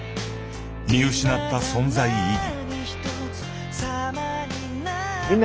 見失った存在意義。